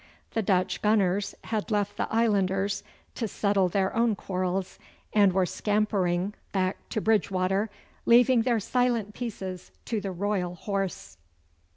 The Dutch gunners had left the Islanders to settle their own quarrels, and were scampering back to Bridgewater, leaving their silent pieces to the Royal Horse.